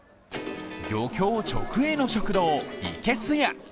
漁協直営の食堂いけすや。